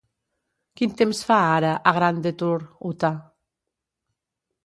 Quin temps fa ara a Grand Detour, Utah?